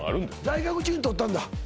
在学中に取ったんだ